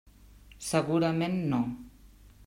Segurament no.